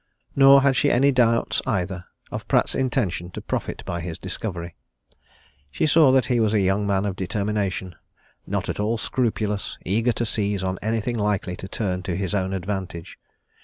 Nor had she any doubt, either, of Pratt's intention to profit by his discovery. She saw that he was a young man of determination, not at all scrupulous, eager to seize on anything likely to turn to his own advantage.